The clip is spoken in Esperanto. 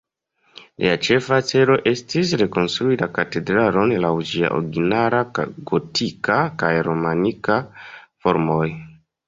Lia ĉefa celo estis, rekonstrui la katedralon laŭ ĝia originaj gotika kaj romanika formoj.